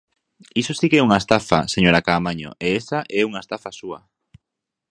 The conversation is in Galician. Iso si que é unha estafa, señora Caamaño, e esa é unha estafa súa.